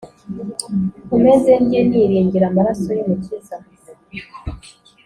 Nkomeze njye niringira amaraso y’umukiza